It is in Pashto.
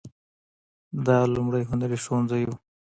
دا لومړنی هنري ښوونځی و.